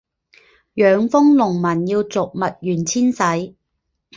养蜂农民要逐蜜源迁徙